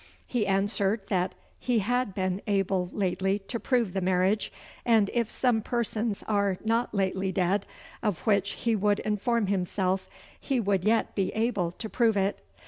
He answered that he had been able lately to prove the marriage, and if some persons are not lately dead, of which he would inform himself, he would yet be able to prove it.